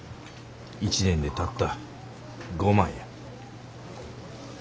１年でたった５万や。